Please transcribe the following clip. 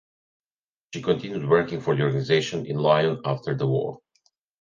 She continued working for the organization in Lyon after the war.